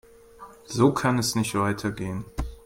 So kann es nicht weitergehen.